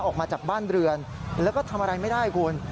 ออกมาจากบ้านเรือนแล้วก็ทำอะไรไม่ได้คุณ